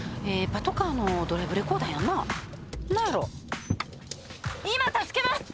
パトカーのドライブレコーダーやんな何やろう？